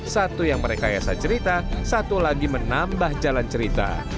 satu yang merekayasa cerita satu lagi menambah jalan cerita